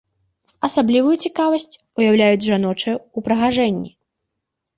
Асаблівую цікавасць уяўляюць жаночыя ўпрыгажэнні.